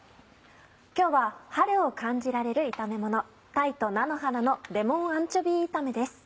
今日は春を感じられる炒めもの「鯛と菜の花のレモンアンチョビー炒め」です。